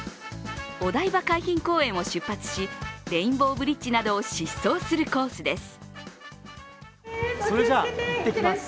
お台場海浜公園を出発しレインボーブリッジなどを疾走するコースです。